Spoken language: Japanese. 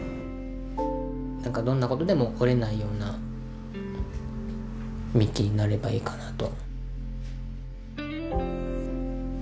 何かどんなことでも折れないような幹になればいいかなと。